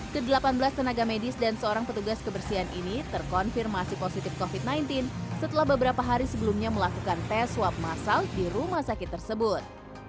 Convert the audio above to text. ke delapan belas tenaga medis dan seorang petugas kebersihan ini terkonfirmasi positif covid sembilan belas setelah beberapa hari sebelumnya melakukan tes swab masal di rumah sakit tersebut